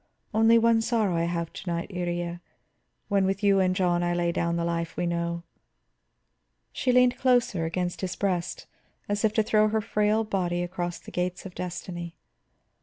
"Only one sorrow I have to night, Iría, when with you and John I lay down the life we know." She leaned closer against his breast, as if to throw her frail body across the gates of destiny.